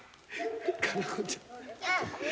「佳奈子ちゃん」